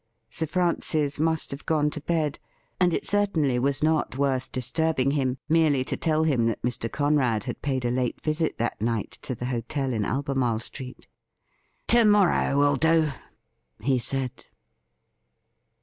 Sir Francis must have gone to bed, and it certainly was not worth disturbing him merely to tell him that Mr. Conrad had paid a late visit that night to the hotel in Albemai le Street. ' To morrow will do,' he said.